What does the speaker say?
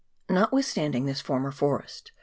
Notwithstanding this former forest, the CHAP.